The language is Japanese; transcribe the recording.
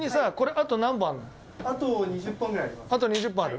長嶋：あと２０本ある？